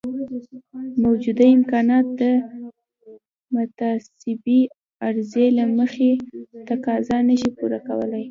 موجوده امکانات د متناسبې عرضې له مخې تقاضا نشي پوره کولای.